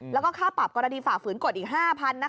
แล้วก็ค่าปรับกรดดีฝ่าฝืนกฎอีก๕๐๐๐บาทนะคะ